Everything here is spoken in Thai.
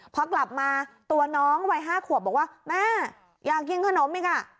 พอกลับมาตัวน้องวัย๕ขวบบอกว่าแม่อยากกินขนมอีกอ่ะ